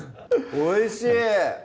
おいしい！